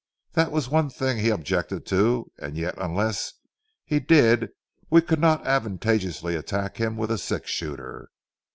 That was one thing he objected to, and yet unless he did we could not advantageously attack him with a six shooter.